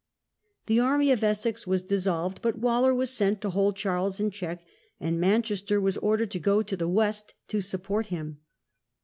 The army of Essex was dis solved, but Waller was sent to hold Charles in check, and Manchester was ordered to go to the "West" to support him.